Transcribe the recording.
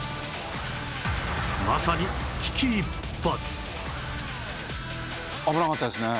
まさに危機一髪